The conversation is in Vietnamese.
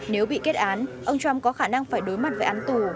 nếu bị kết án ông trump có khả năng phải đối mặt với án tù